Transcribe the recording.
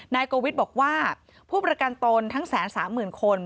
โกวิทย์บอกว่าผู้ประกันตนทั้ง๑๓๐๐๐คน